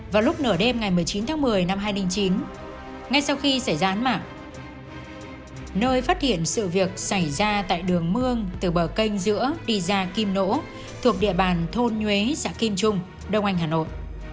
vào lúc nửa đêm ngày một mươi chín tháng một mươi năm hai nghìn chín ngay sau khi xảy ra án mạng nơi phát hiện sự việc xảy ra tại đường mương từ bờ canh giữa piza kim nỗ thuộc địa bàn thôn nhuế xã kim trung đông anh hà nội